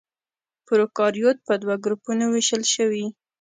پروکاريوت په دوه ګروپونو وېشل شوي.